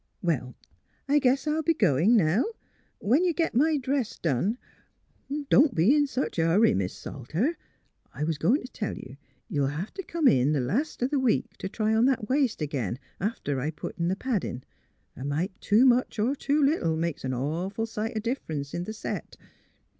'^ Well, I guess I'll be going now. When you git my dress done "" Don't be in sech a hurry, Mis' Salter, I was goin' t' tell you, you'll hev t' come in th' last o' th' week t' try on that waist ag'in after I put in th' paddin'. A mite too much or too little makes an awful sight o' difference in th' set."